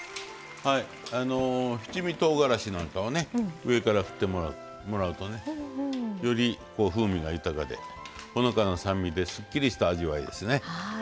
七味とうがらしなんかを上から振ってもらうとより風味が豊かでほのかな酸味ですっきりした味わいですね。